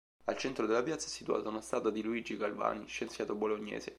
Al centro della piazza è situata una statua di Luigi Galvani, scienziato bolognese.